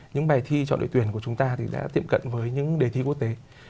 những bài thi chọn đội tuyển của chúng ta thì đã tiệm cận với những đề thi quốc tế